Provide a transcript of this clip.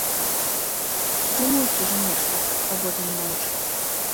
Здумаюць жа нешта, работы не маючы.